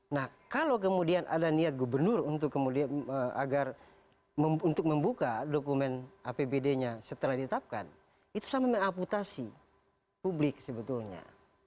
nah kalau kemudian ada niat gubernur untuk kemudian agar untuk membuka dokumen apbd nya setelah ditetapkan itu sama mengaputasi publik sebetulnya